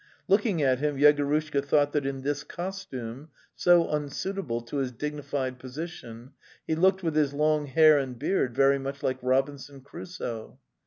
Looking at him, Yegorushka thought that in this costume, so unsuit able to his dignified position, he looked with his long hair and beard very much like Robinson Crusoe.